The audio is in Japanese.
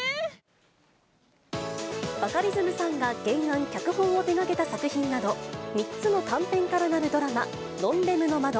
バカリズムさんが原案、脚本を手がけた作品など、３つの短編からなるドラマ、ノンレムの窓。